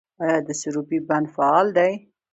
آیا د سروبي بند فعال دی؟